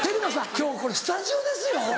今日これスタジオですよ。